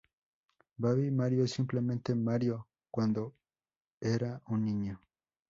Baby Mario es simplemente Mario cuando era un niño.